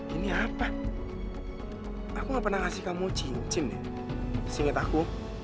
ini apa aku gak pernah ngasih kamu cincin ya singkat aku